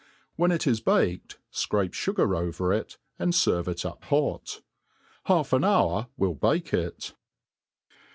When it is baked, fcrapc fugar over ir^ and ferve it up hot. Half an hour wiU bake it.